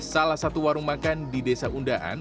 salah satu warung makan di desa undaan